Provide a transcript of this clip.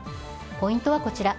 ポイントはこちら。